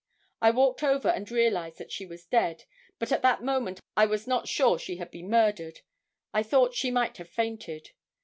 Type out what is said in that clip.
I walked over and realized that she was dead, but at that moment I was not sure she had been murdered. I thought she might have fainted.